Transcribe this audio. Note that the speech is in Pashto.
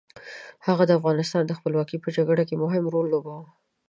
هغه د افغانستان د خپلواکۍ په جګړه کې مهم رول ولوباوه.